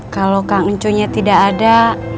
kalau kak nenconya tidak ada